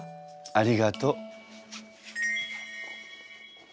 ありがとう。